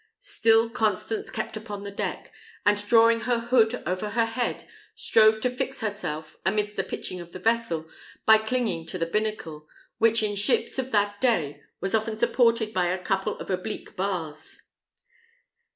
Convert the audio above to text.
Still Constance kept upon the deck, and drawing her hood over her head, strove to fix herself, amidst the pitching of the vessel, by clinging to the binnacle, which in ships of that day was often supported by a couple of oblique bars.